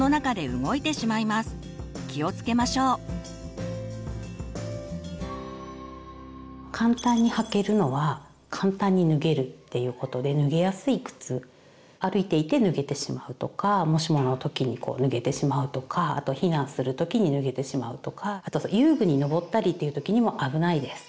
気をつけましょう。っていうことで脱げやすい靴歩いていて脱げてしまうとかもしもの時にこう脱げてしまうとかあと避難する時に脱げてしまうとかあと遊具にのぼったりという時にも危ないです。